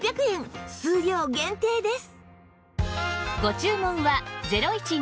数量限定です